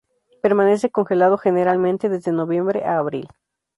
Permanece congelado generalmente desde noviembre a abril.